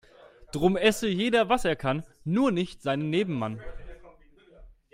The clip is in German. Drum esse jeder was er kann, nur nicht seinen Nebenmann.